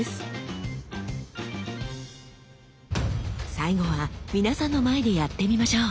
最後は皆さんの前でやってみましょう。